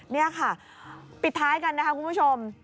นี่ค่ะปิดท้ายกันนะคะคุณผู้ชม